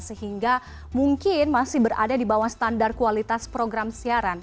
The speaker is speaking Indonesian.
sehingga mungkin masih berada di bawah standar kualitas program siaran